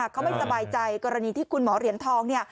เขาไม่สบายใจกรณีที่คุณหมอเหรียญทองเนี่ย